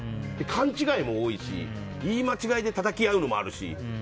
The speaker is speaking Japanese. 勘違いも多いし、言い間違いでたたき合うのもあるし。